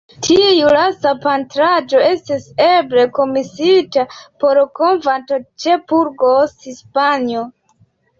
Tiu lasta pentraĵo estis eble komisiita por konvento ĉe Burgos, Hispanio.